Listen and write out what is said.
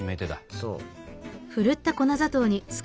そう。